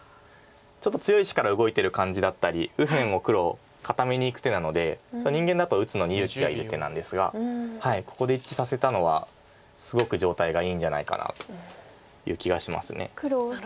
ちょっと強い石から動いてる感じだったり右辺を黒固めにいく手なので人間だと打つのに勇気がいる手なんですがここで一致させたのはすごく状態がいいんじゃないかなという気がします。